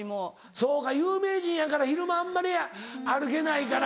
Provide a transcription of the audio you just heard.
そうか有名人やから昼間あんまり歩けないから。